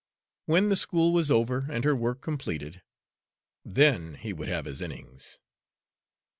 When the school was over and her work completed, then he would have his innings.